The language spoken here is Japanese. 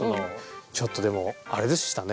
ちょっとでもあれでしたね。